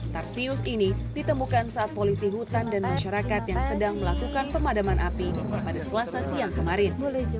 tarsius ini ditemukan saat polisi hutan dan masyarakat yang sedang melakukan pemadaman api pada selasa siang kemarin